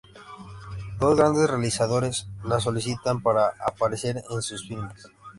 Dos grandes realizadores la solicitan para aparecer en sus filmes.